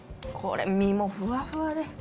これ身もふわふわで。